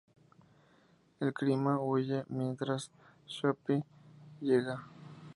El criminal huye mientras Sophie llega.